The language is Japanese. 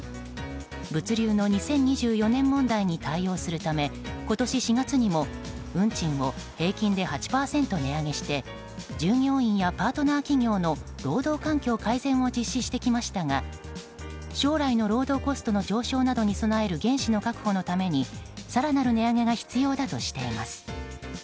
物流の２０２４年問題に対応するため今年４月にも運賃を平均で８％値上げして従業員やパートナー企業の労働環境改善を実施してきましたが、将来の労働コストの上昇などに備える原資の確保のために更なる値上げが必要だとしています。